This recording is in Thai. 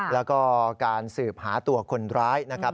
แล้วก็การสืบหาตัวคนร้ายนะครับ